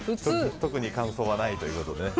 特に感想はないということでね。